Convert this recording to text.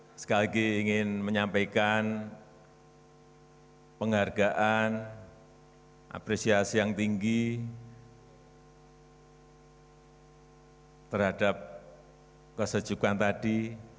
saya sekali lagi ingin menyampaikan penghargaan apresiasi yang tinggi terhadap kesejukan tadi